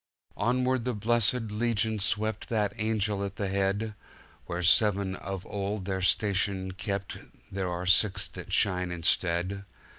"Onward the blessed legion swept, That angel at the head;(Where seven of old their station kept There are six that shine instead.)